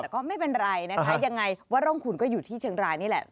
แต่ก็ไม่เป็นไรนะคะยังไงว่าร่องขุนก็อยู่ที่เชียงรายนี่แหละ